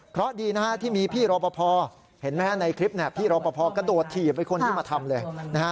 เพราะดีที่มีพี่รบพเห็นไหมในคลิปพี่รบพกระโดดถีบไอ้คนนี้มาทำเลย